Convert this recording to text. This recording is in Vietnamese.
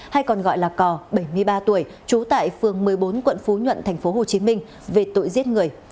hay còn gọi là cò bảy mươi ba tuổi trú tại phường một mươi bốn quận phú nhuận tp hcm về tội giết người